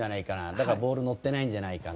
だからボールのってないんじゃないかな。